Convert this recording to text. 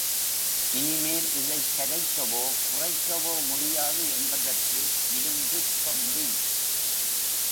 இனிமேல் இதைக் கரைக்கவோ குறைக்கவோ முடியாது என்பதற்கு இரும்புத் தொந்தி!